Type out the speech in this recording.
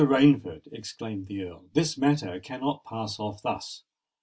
Rainford," exclaimed the Earl, "this matter cannot pass off thus.